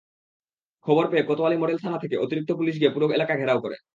খবর পেয়ে কোতোয়ালি মডেল থানা থেকে অতিরিক্ত পুলিশ গিয়ে পুরো এলাকা ঘেরাও করে।